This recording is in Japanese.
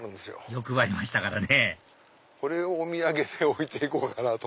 欲張りましたからねこれをお土産で置いて行こうかなと。